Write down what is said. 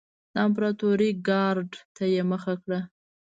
د امپراتورۍ ګارډ ته یې مخه کړه.